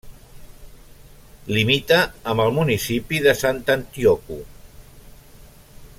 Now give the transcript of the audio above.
Limita amb el municipi de Sant'Antioco.